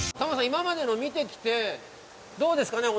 今までの見てきてどうですかね？